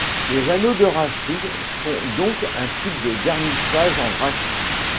Les anneaux de Raschig sont donc un type de garnissage en vrac.